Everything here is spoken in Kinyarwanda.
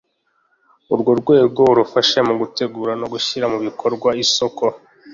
Urwo rwego irufashe mu gutegura no gushyira mu bikorwa isoko